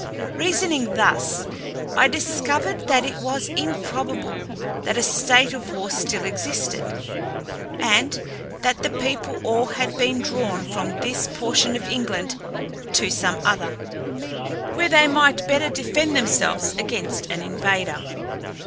Reasoning thus, I discovered that it was improbable that a state of war still existed, and that the people all had been drawn from this portion of England to some other, where they might better defend themselves against an invader.